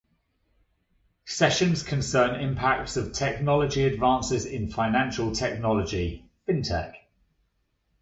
Sessions concern impacts of technology advances in financial technology (Fintech).